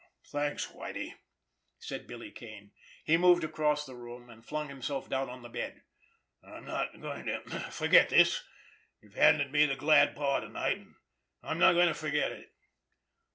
"Thanks, Whitie," said Billy Kane. He moved across the room, and flung himself down on the bed. "I'm not going to forget this. You've handed me the glad paw to night—and I'm not going to forget it."